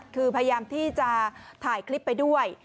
คือพยายามที่จะถ่ายคลิปไปด้วย